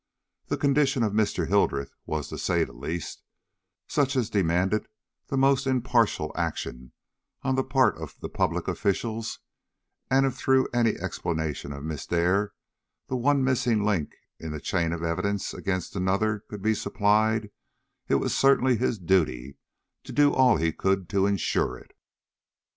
The condition of Mr. Hildreth was, to say the least, such as demanded the most impartial action on the part of the public officials, and if through any explanation of Miss Dare the one missing link in the chain of evidence against another could be supplied, it was certainly his duty to do all he could to insure it.